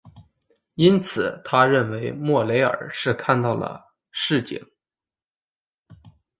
因此他认为莫雷尔是看到了蜃景。